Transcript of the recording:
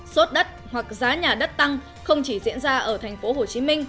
sốt đất hoặc giá nhà đất tăng không chỉ diễn ra ở tp hcm